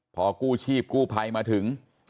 พอกู้ชีพกู้ภัยมาถึง